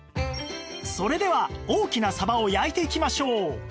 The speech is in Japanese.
それでは大きなサバを焼いていきましょう